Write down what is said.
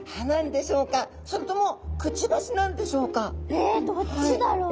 えっどっちだろう？